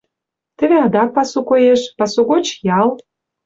Теве адакат пасу коеш, пасу гоч — ял.